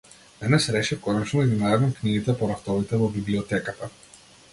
Денес решив конечно да ги наредам книгите по рафтовите во библиотеката.